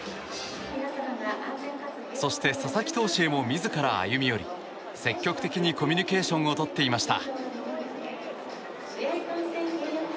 そして佐々木投手へも自ら歩み寄り積極的にコミュニケーションをとっていました。